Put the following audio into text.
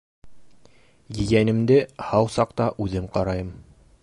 Ейәнемде һау саҡта үҙем ҡарайым.